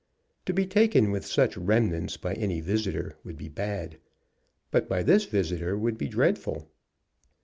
To be taken with such remnants by any visitor would be bad, but by this visitor would be dreadful.